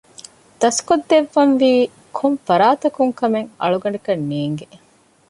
ދަސްކޮށްދެއްވަންވީ ކޮންފަރާތަކުން ކަމެއް އަޅުގަނޑަކަށް ނޭނގެ